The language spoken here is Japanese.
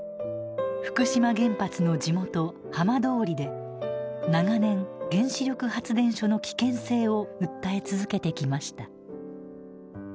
福島原発の地元浜通りで長年原子力発電所の危険性を訴え続けてきました。